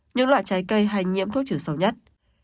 những loại trái cây hay nhiễm thuốc trừ sâu nhất